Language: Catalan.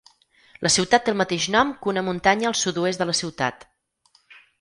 La ciutat té el mateix nom que una muntanya al sud-oest de la ciutat.